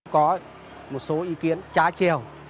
có một số ý kiến trái trèo